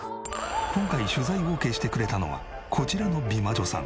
今回取材オーケーしてくれたのはこちらの美魔女さん。